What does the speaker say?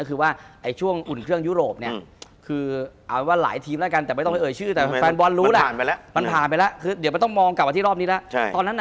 คุณผู้ชมบางท่าอาจจะไม่เข้าใจที่พิเตียร์สื่อสารคุณผู้ชมบางท่าอาจจะไม่เข้าใจที่พิเตียร์สาร